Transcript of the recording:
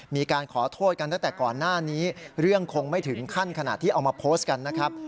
มีการขอโทษกันตั้งแต่ก่อนหน้านี้เรื่องคงไม่ถึงขั้นขณะที่เอามาโพสต์กันนะครับ